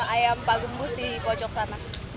ayam pagembus di pojok sana